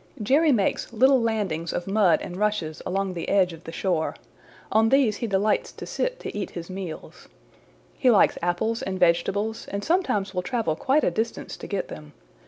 "Jerry makes little landings of mud and rushes along the edge of the shore. On these he delights to sit to eat his meals. He likes apples and vegetables and sometimes will travel quite a distance to get them.